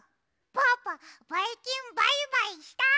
ぽぅぽばいきんバイバイした！